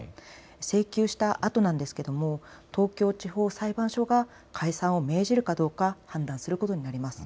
請求したあとなんですけども東京地方裁判所が解散を命じるかどうか判断することになります。